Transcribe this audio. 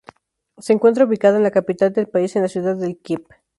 Se encuentra ubicada en la capital del país en la ciudad de Kiev.